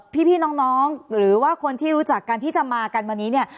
พี่น้องหรือว่าคนที่รู้จักกันที่จะมากันวันนี้เนี่ย